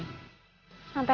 kapan kita ketemu lagi